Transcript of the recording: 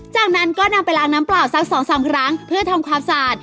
จากนั้นก็นำไปล้างน้ำเปล่าสัก๒๓ครั้งเพื่อทำความสะอาด